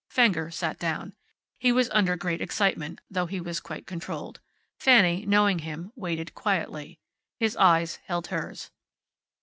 Fenger sat down. He was under great excitement, though he was quite controlled. Fanny, knowing him, waited quietly. His eyes held hers.